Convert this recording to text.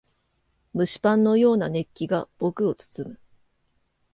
蒸しパンのような熱気が僕を包む。